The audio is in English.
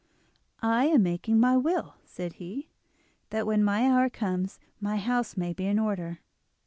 "I am making my will," said he, "that when my hour comes my house may be in order."